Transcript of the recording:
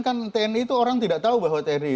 kan tni itu orang tidak tahu bahwa tni